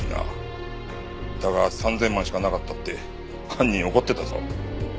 だが３０００万しかなかったって犯人怒ってたぞ。